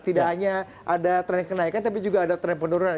tidak hanya ada tren kenaikan tapi juga ada tren penurunan